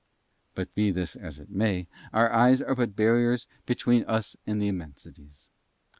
But be this as it may, our eyes are but barriers between us and the immensities.